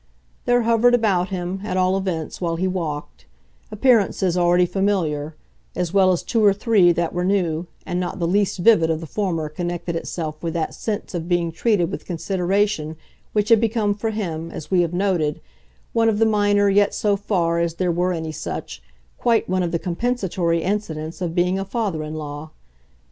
There hovered about him, at all events, while he walked, appearances already familiar, as well as two or three that were new, and not the least vivid of the former connected itself with that sense of being treated with consideration which had become for him, as we have noted, one of the minor yet so far as there were any such, quite one of the compensatory, incidents of being a father in law.